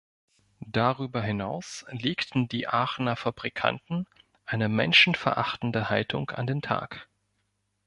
Darüber hinaus legten die Aachener Fabrikanten eine menschenverachtende Haltung an den Tag.